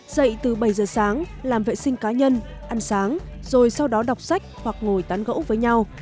dạy từ bảy giờ sáng làm vệ sinh cá nhân ăn sáng rồi sau đó đọc sách hoặc ngồi tán gẫu với nhau